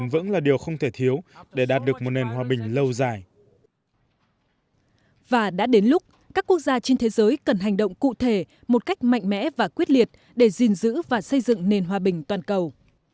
và đã đến lúc các quốc gia trên thế giới cần hành động cụ thể một cách mạnh mẽ và quyết liệt để gìn giữ và xây dựng nền hòa bình toàn cầu